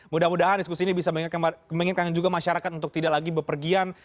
mudah mudahan diskusi ini bisa menginginkan juga masyarakat untuk tidak lagi berpergian